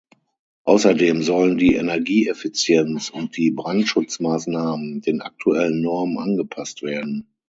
Außerdem sollen die Energieeffizienz und die Brandschutzmaßnahmen den aktuellen Normen angepasst werden.